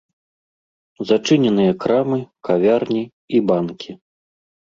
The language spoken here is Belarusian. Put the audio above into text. Зачыненыя крамы, кавярні і банкі.